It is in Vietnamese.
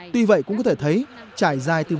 tuy vậy cũng có thể thấy trải dài từ vùng đường này